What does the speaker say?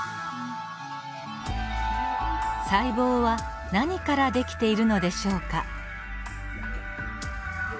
細胞は何から出来ているのでしょうか。